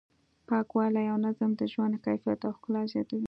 پاکوالی او نظم د ژوند کیفیت او ښکلا زیاتوي.